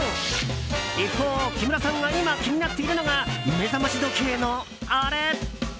一方、木村さんが今、気になっているのが目覚まし時計の、あれ。